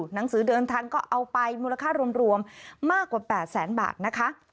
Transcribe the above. หนังสือเดินทางก็เอาไปมูลค่ารวมมากกว่า๘แสนบาทนะคะ